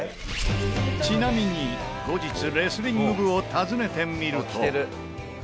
ちなみに後日レスリング部を訪ねてみると。